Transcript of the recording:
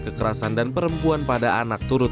kekerasan dan perempuan pada anak turut